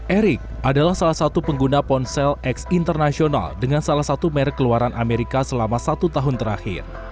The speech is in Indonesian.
erik adalah salah satu pengguna ponsel x international dengan salah satu merek keluaran amerika selama satu tahun terakhir